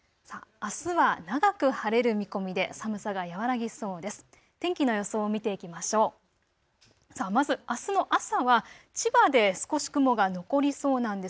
あすは長く晴れる見込みで寒さが和らぎそうです。